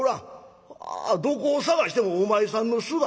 どこを捜してもお前さんの姿がないんじゃ。